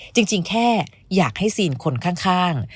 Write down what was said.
จริงแค่อยากให้ซีนคนข้าง